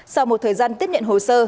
sau một thời gian tiếp nhận hồ sơ